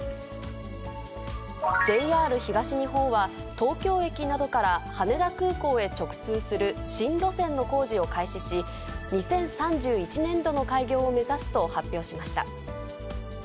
ＪＲ東日本は、東京駅などから羽田空港へ直通する新路線の工事を開始し、２０３１年度の開業を目指すと発表しました。